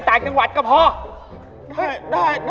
อ๋อที่ไหนก็ได้